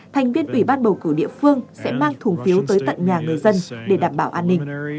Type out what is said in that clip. thành viên ủy ban bầu cử địa phương sẽ mang thùng phiếu tới tận nhà người dân để đảm bảo an ninh